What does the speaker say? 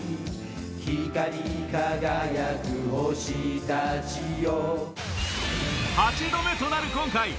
光り輝く星たちよ